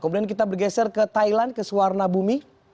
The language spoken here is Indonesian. kemudian kita bergeser ke thailand ke suwarnabumi